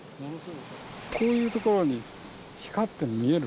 こういうところに光ってるの見える？